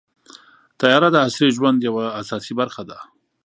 طیاره د عصري ژوند یوه اساسي برخه ده.